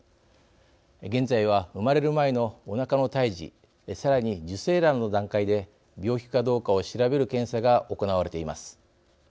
現在は生まれる前のおなかの胎児さらに受精卵の段階で病気かどうかを調べる検査が行われています。